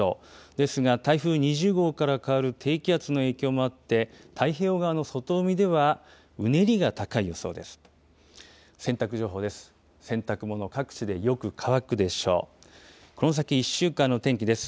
ですが、台風２０号から変わる低気圧の影響もあって、太平洋側の外海ではうねりが高い予想です。